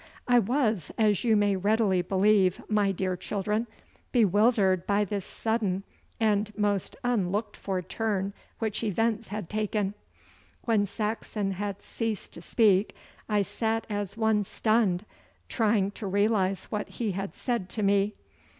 I was, as you may readily believe, my dear children, bewildered by this sudden and most unlooked for turn which events had taken. When Saxon had ceased to speak I sat as one stunned, trying to realise what he had said to me.